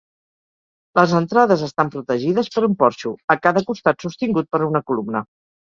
Les entrades estan protegides per un porxo, a cada costat sostingut per una columna.